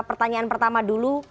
pertanyaan pertama dulu